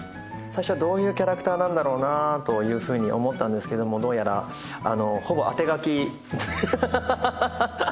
最初はどういうキャラクターなんだろうなと思ったんですけどもどうやらハハハハハハ